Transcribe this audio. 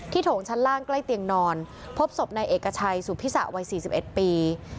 ที่โถงชั้นล่างใกล้เตียงนอนพบศพในเอกชัยสุพิษะวัยสี่สิบเอ็ดปี